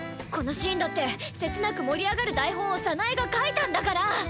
このシーンだって切なく盛り上がる台本をサナエが書いたんだから。